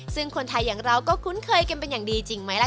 ซึ่งคนไทยอย่างเราก็คุ้นเคยกันเป็นอย่างดี